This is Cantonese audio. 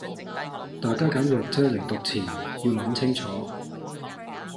大家揀藥劑黎讀前要諗清楚